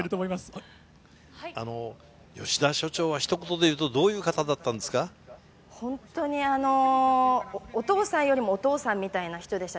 吉田所長はひと言でいうと、本当に、お父さんよりもお父さんみたいな人でした。